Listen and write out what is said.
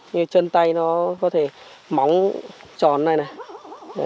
như chân tay nó có thể móng tròn này này